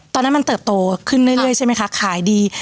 ตอนนั้นมันเติบโตขึ้นเรื่อยใช่ไหมคะขายดี